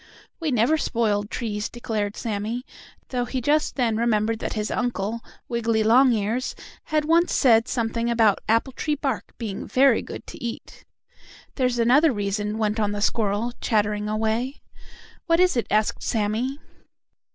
"We never spoil trees," declared Sammie, though he just then remembered that his Uncle, Wiggily Longears, had once said something about apple tree bark being very good to eat. "There's another reason," went on the squirrel, chattering away. "What is it?" asked Sammie.